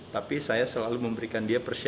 tapi saya selalu memberikan dia percaya